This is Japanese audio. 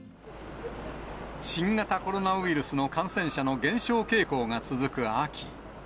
新型コロナウイルスの感染者の減少傾向が続く秋。